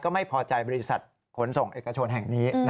ไม่พอใจบริษัทขนส่งเอกชนแห่งนี้